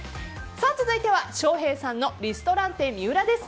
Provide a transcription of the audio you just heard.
続いては、翔平さんのリストランテＭＩＵＲＡです。